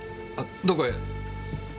あっどこへ？